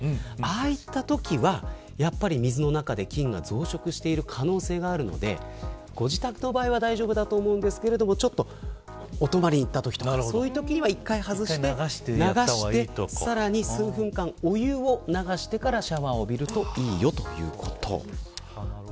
ああいったときは水の中で菌が増殖してる可能性があるのでご自宅の場合は大丈夫だと思うんですがお泊まりに行ったときとかは一回外して、流してさらに数分間お湯を流してからシャワーを浴びるといいよということ。